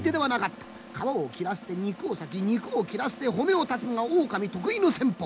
皮を切らせて肉を裂き肉を切らせて骨を断つのがオオカミ得意の戦法。